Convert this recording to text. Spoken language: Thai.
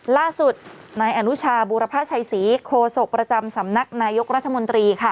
ล่าสุดนายอนุชาบูรพชัยศรีโคศกประจำสำนักนายกรัฐมนตรีค่ะ